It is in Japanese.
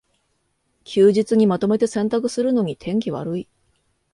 休日にまとめて洗濯するのに天気悪い